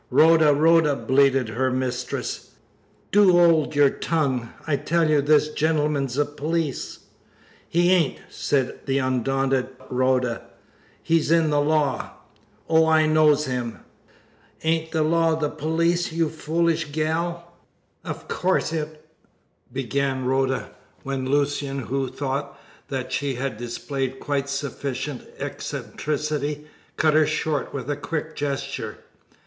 "Rhoda! Rhoda!" bleated her mistress, "do 'old your tongue! I tell you this gentleman's a police." "He ain't!" said the undaunted Rhoda. "He's in the law. Oh, I knows him!' "Ain't the law the police, you foolish gal?" "Of course it " began Rhoda, when Lucian, who thought that she had displayed quite sufficient eccentricity, cut her short with a quick gesture.